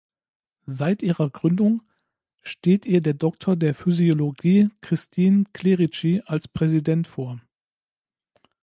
Seit ihrer Gründung steht ihr der Doktor der Physiologie Christine Clerici als Präsident vor.